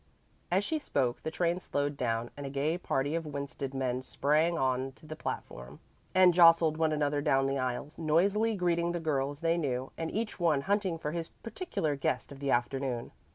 As she spoke, the train slowed down and a gay party of Winsted men sprang on to the platform, and jostled one another down the aisles, noisily greeting the girls they knew and each one hunting for his particular guest of the afternoon.